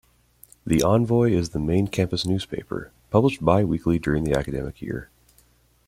"The Envoy" is the main campus newspaper, published bi-weekly during the academic year.